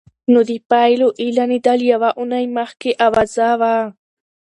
نو د پايلو اعلانېدل يوه اونۍ مخکې اوازه وه.